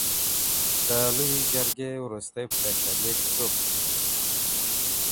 د لویې جرګي وروستی پرېکړه لیک څوک لولي؟